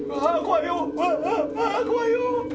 ああ怖いよ。